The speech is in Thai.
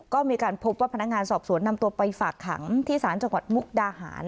ก็มีการพบว่าพนักงานสอบสวนนำตัวไปฝากขังที่ศาลจังหวัดมุกดาหาร